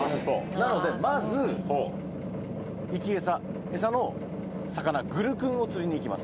なのでまず生き餌餌の魚グルクンを釣りに行きます。